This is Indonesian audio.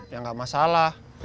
ya gak masalah